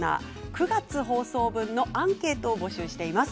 ９月放送分のアンケートを募集しています。